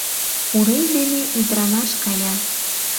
Урем дене ӱдырамаш кая.